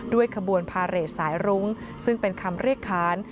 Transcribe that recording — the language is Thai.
ขบวนพาเรทสายรุ้งซึ่งเป็นคำเรียกค้าน